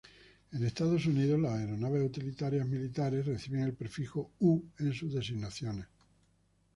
En Estados Unidos las aeronaves utilitarias militares reciben el prefijo ‘U’ en sus designaciones.